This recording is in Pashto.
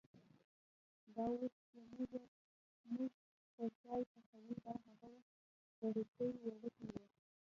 دا اوس چې مونږ ته چای پخوي، دا هغه وخت وړوکی وړکی و.